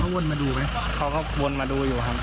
เค้าวนมาดูไหมเค้าวนมาดูอยู่ครับ